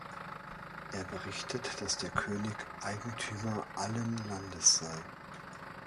Er berichtet, dass der König Eigentümer allen Landes sei.